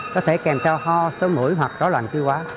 có thể kèm cho ho sớm mũi hoặc rõ loạn chứ quá